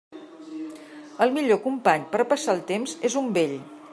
El millor company per a passar el temps és un vell.